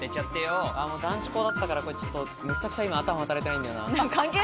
男子校だったから、むちゃくちゃ今、頭働いてないんだよな。